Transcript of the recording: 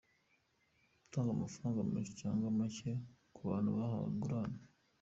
Gutanga amafaranga menshi cyangwa make ku bantu bahawe ingurane.